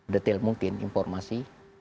detail mungkin informasi